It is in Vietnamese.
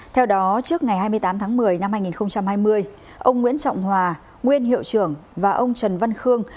theo đó trước ngày hai mươi tám tháng một mươi năm hai nghìn hai mươi ông nguyễn trọng hòa nguyên hiệu trưởng và ông trần văn khương